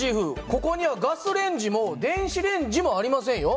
ここにはガスレンジも電子レンジもありませんよ。